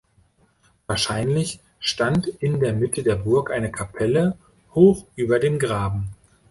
Wahrscheinlich stand in der Mitte der Burg eine Kapelle hoch über dem Graben.